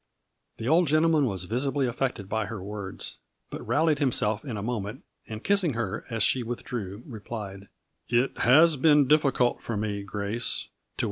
The old gentleman was visibly affected by her words, but rallied himself in a moment, and kissing her as she withdrew, replied :" It has been difficult for me, Grace, to with A FLURRY IN DIA3I0NDS.